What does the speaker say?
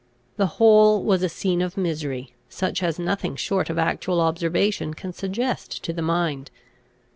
The whole was a scene of misery, such as nothing short of actual observation can suggest to the mind.